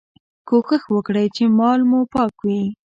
کوښښ وکړئ چي مال مو پاک وي.